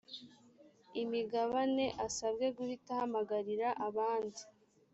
imigabane asabwe guhita ahamagarira abandi